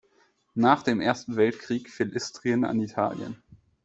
Nach dem Ersten Weltkrieg fiel Istrien an Italien.